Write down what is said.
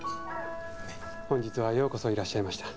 本日はようこそいらっしゃいました。